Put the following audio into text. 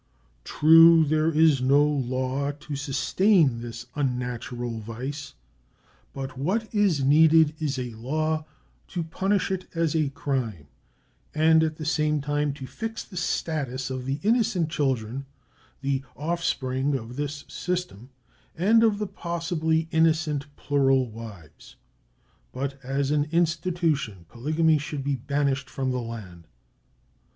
True, there is no law to sustain this unnatural vice; but what is needed is a law to punish it as a crime, and at the same time to fix the status of the innocent children, the offspring of this system, and of the possibly innocent plural wives. But as an institution polygamy should be banished from the land.